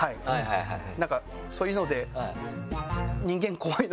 はいなんかそういうので。